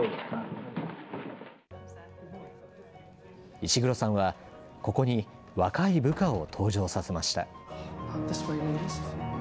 イシグロさんは、ここに若い部下を登場させました。